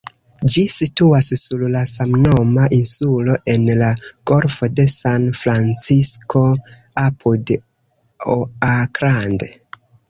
Ĝi situas sur la samnoma insulo en la Golfo de San-Francisko apud Oakland.